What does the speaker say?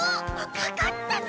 かかったぞ！